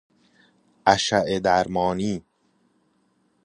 اشعه درمانی